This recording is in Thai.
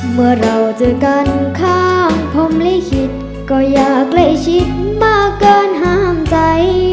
เมื่อเราเจอกันข้างพรมลิขิตก็อยากใกล้ชิดมากเกินห้ามใจ